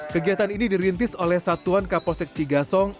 kegiatan ini dirintis oleh satuan kapolsek cigasong